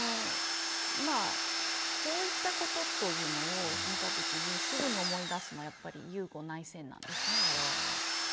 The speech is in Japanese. こういったことというのを見たときにすぐに思い出すのはやはりユーゴ内戦なんですわれわれは。